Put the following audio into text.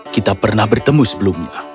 kita pernah bertemu sebelumnya